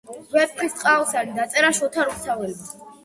ვეფხისტყაოსანი დაწერა შოთა რუსთაველმა